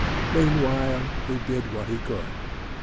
Meanwhile he did what he could.